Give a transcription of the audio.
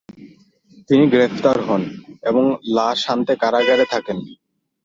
তিনি গ্রেপ্তার হন এবং লা সান্তে কারাগার-এ থাকেন।